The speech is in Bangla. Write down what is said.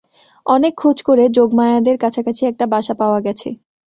অনেক খোঁজ করে যোগমায়াদের কাছাকাছি একটা বাসা পাওয়া গেছে।